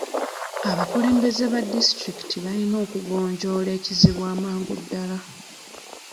Abakulembeze ba disitulikiti balina okugonjoola ekizibu amangu ddala.